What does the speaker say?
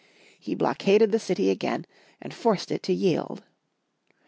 He blockaded the city again, and forced it to yield..